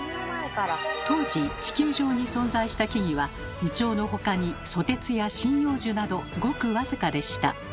当時地球上に存在した木々はイチョウの他にソテツや針葉樹などごく僅かでした。